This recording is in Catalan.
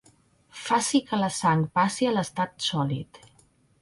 Faci que la sang passi a l'estat sòlid.